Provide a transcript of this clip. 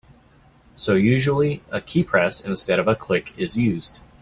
So usually a keypress instead of a click is used.